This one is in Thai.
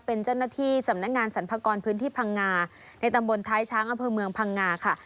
เป็นเจ้าหน้าที่สำนักงานสรรพากรพื้นที่พังงาในตำบลท้ายช้างอำเภอเมืองพังงาค่ะ